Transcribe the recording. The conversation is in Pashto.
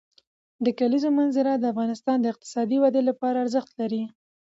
د کلیزو منظره د افغانستان د اقتصادي ودې لپاره ارزښت لري.